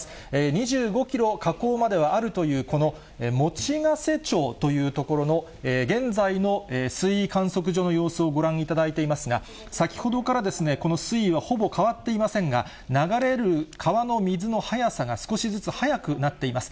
２５キロ、河口まではあるという、この用瀬町というところの現在の水位観測所の様子をご覧いただいていますが、先ほどからこの水位はほぼ変わっていませんが、流れる川の水の速さが、少しずつ速くなっています。